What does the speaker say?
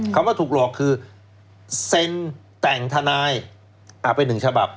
คำว่าถูกหลอกคือเซ็นแต่งทนายไปหนึ่งฉบับ